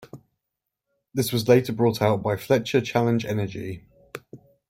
This was later bought out by Fletcher Challenge Energy.